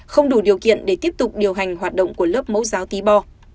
không đủ điều kiện để tiếp tục điều hành hoạt động của lớp mẫu giáo tí bo